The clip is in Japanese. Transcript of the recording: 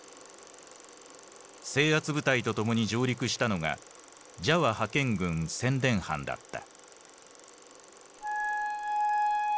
制圧部隊と共に上陸したのがジャワ派遣軍宣伝班だった。